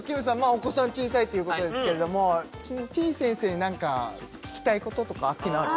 お子さん小さいっていうことですけれどもてぃ先生に何か聞きたいこととかアッキーナある？